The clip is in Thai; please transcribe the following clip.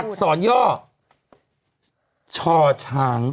อักษรย่อช่อช้าง